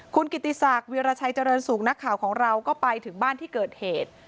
คุณกิติศักดิ์วิราชัยเจริญสุขนักข่าวของเราก็ไปถึงบ้านที่เกิดเหตุ